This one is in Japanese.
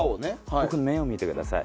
僕の目を見てください